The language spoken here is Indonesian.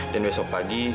dan besok pagi